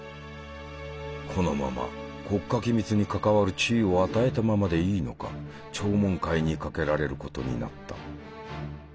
このまま国家機密に関わる地位を与えたままでいいのか聴聞会にかけられることになった。